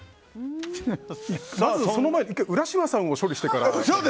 その前に１回ウラシマさんを処理してから。